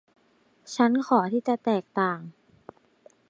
ฉันขอที่จะแตกต่าง